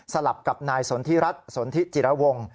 สลับกับนายสนทิรัฐสนทิจิระวง